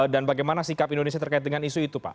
dan bagaimana sikap indonesia terkait dengan isu itu pak